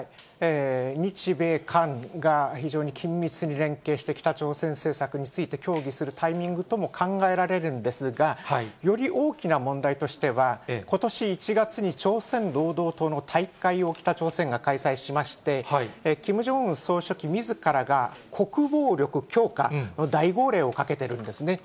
日米韓が非常に緊密に連携してきた北朝鮮政策について協議するタイミングとも考えられるんですが、より大きな問題としては、ことし１月に朝鮮労働党の大会を北朝鮮が開催しまして、キム・ジョンウン総書記みずからが、国防力強化の大号令をかけてるんですね。